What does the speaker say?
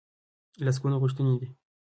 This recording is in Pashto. لسګونه غوښتنې دي.